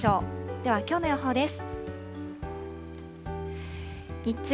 では、きょうの予報です。